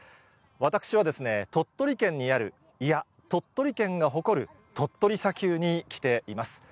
私は鳥取県にある、いや、鳥取県が誇る鳥取砂丘に来ています。